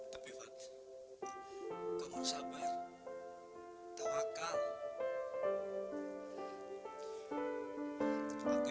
kamu harus sabar